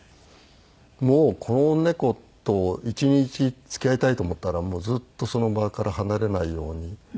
もうこの猫と一日付き合いたいと思ったらずっとその場から離れないように。